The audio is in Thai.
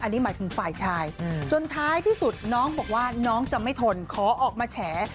อันนี้หมายถึงฝ่ายชายจนท้ายที่สุดน้องบอกว่าน้องจะไม่ทนขอออกมาแฉ